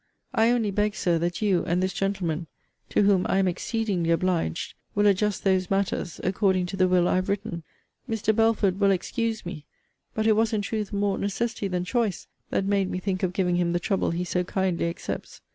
I only beg, Sir, that you, and this gentleman to whom I am exceedingly obliged will adjust those matters according to the will I have written. Mr. Belford will excuse me; but it was in truth more necessity than choice that made me think of giving him the trouble he so kindly accepts.